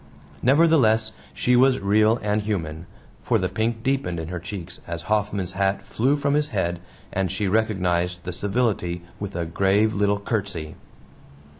Nevertheless she was real and human, for the pink deepened in her cheeks as Hoffman's hat flew from his head, and she recognized the civility with a grave little curtsy.